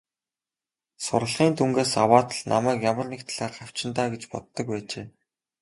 Сурлагын дүнгээс аваад л намайг ямар нэг талаар хавчина даа гэж боддог байжээ.